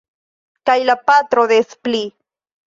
Kaj la patro des pli.